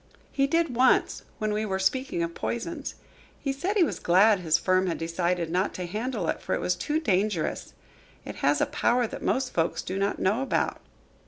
"He did, once, when we were speaking of poisons. He said he was glad his firm had decided not to handle it, for it was too dangerous. It has a power that most folks do not know about."